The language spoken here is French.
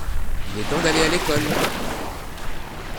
Il est temps d’aller à l’école.